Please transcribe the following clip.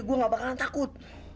gue gak bakalan takut